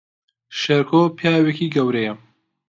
شێرکۆ پیاوێکی گەورەیە